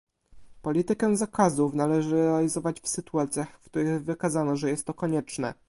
Politykę zakazów należy realizować w sytuacjach, w których wykazano, że jest to konieczne